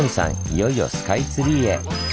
いよいよスカイツリーへ！